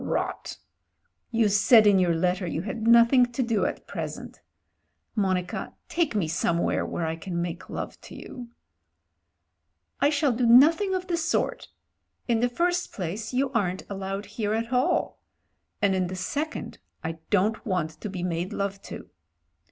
"Rot! You said in your letter you had nothing to do at present. Monica, take me somewhere where I can make love to you." "I shall do nothing of the sort. In the first place you aren't allowed here at all; and in the second I don't want to be made love to."